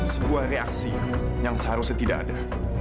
sebuah reaksi yang seharusnya tidak ada